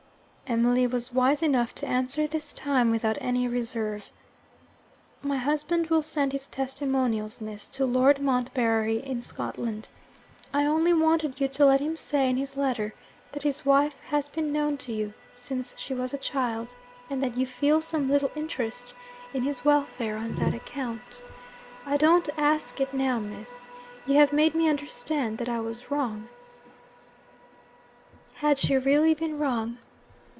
Emily was wise enough to answer this time without any reserve. 'My husband will send his testimonials, Miss, to Lord Montbarry in Scotland. I only wanted you to let him say in his letter that his wife has been known to you since she was a child, and that you feel some little interest in his welfare on that account. I don't ask it now, Miss. You have made me understand that I was wrong.' Had she really been wrong?